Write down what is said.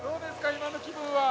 今の気分は。